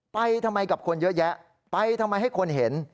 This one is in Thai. ไปทำไมกับคนเยอะแยะไปทำไมให้คนเห็น